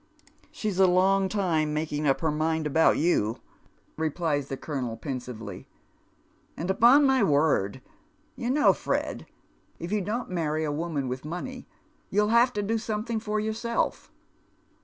" She's a long time making up her mind about you," replies the colonel, pensively. " And upon my word, you know, Fred, if you don't marry a woman with money you'll have to do some thing for yourself.